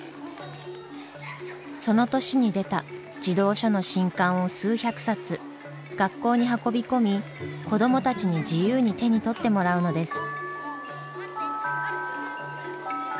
その年に出た児童書の新刊を数百冊学校に運び込み子どもたちに自由に手に取ってもらうのです。